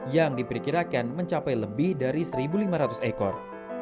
yang diperkirakan mencapai lebih dari satu lima ratus ekor